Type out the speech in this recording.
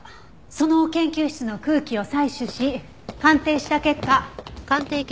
その研究室の空気を採取し鑑定した結果。